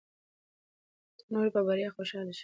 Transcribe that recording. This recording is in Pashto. د نورو په بریا خوشحاله شئ.